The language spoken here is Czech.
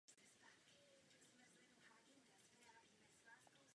Ve státní vládě byl ustaven zvláštní post ministra pro olympijské hry.